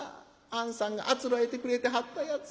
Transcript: あんさんがあつらえてくれてはったやつ。